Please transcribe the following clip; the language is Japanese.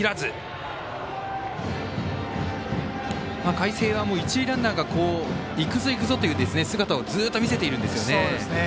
海星は一塁ランナーがいくぞいくぞという姿をずっと見せているんですね。